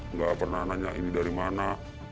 nggak pernah nanya ini dari mana